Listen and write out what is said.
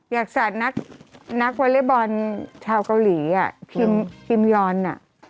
อยากสาดนักวอร์เล็กบอลชาวกรีครีมยอน